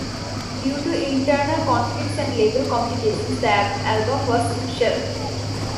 Due to internal conflicts and label complications, the album was shelved.